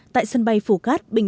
tại sân bay phủ cát bình định